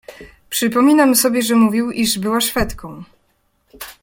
"Przypominam sobie, że mówił, iż była szwedką."